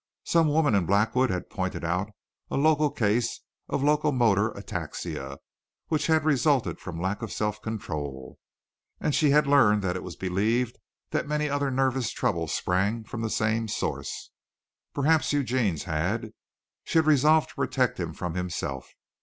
Some woman in Blackwood had pointed out a local case of locomotor ataxia which had resulted from lack of self control, and she had learned that it was believed that many other nervous troubles sprang from the same source. Perhaps Eugene's had. She had resolved to protect him from himself.